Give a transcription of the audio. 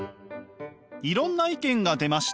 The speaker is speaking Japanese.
いろんな意見が出ました。